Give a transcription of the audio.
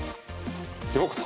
ようこそ！